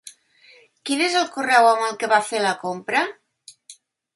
Quin és el correu amb el que va fer la compra?